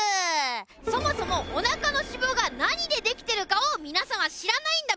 そもそもお腹の脂肪が何でできてるかを皆さんは知らないんだ